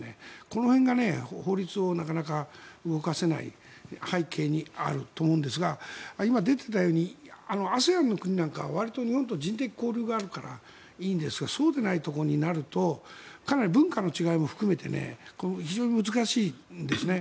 この辺が法律をなかなか動かせない背景にあると思うんですが今、出てたようにＡＳＥＡＮの国なんかはわりと日本と人的交流があるからいいんですがそうでないところになるとかなり文化の違いも含めて非常に難しいんですね。